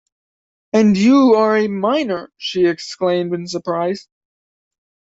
“And you are a miner!” she exclaimed in surprise.